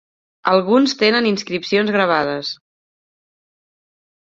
Alguns tenen inscripcions gravades.